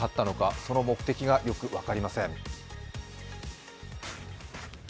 その目的がよく分かりません。